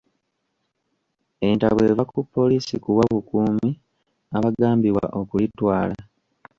Entabwe eva ku ppoliisi kuwa bukuumi abagambibwa okulitwala